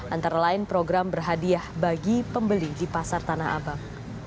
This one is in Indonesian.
antara lain program berhadiah bagi pembeli di pasar tanah abang